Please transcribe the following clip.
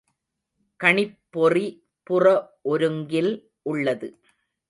கணிப்பொறி புற ஒருங்கில் உள்ளது.